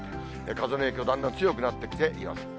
風の影響、だんだん強くなってきている様子。